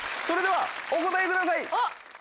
それではお答えください。